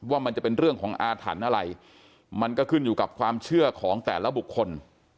ว่าจะเป็นเรื่องของอาถรรพ์อะไรมันก็ขึ้นอยู่กับความเชื่อของแต่ละบุคคล